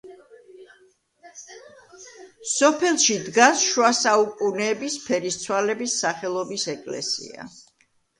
სოფელში დგას შუა საუკუნეების ფერისცვალების სახელობის ეკლესია.